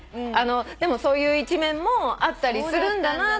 でもそういう一面もあったりするんだなって。